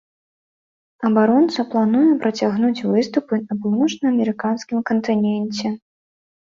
Абаронца плануе працягнуць выступы на паўночнаамерыканскім кантыненце.